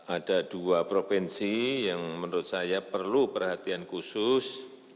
ada dua provinsi yang menurut saya perlu perhatian khusus